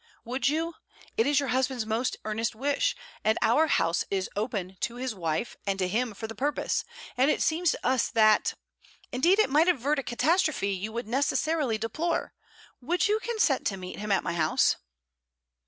'Would you it is your husband's most earnest wish; and our house is open to his wife and to him for the purpose; and it seems to us that... indeed it might avert a catastrophe you would necessarily deplore: would you consent to meet him at my house?'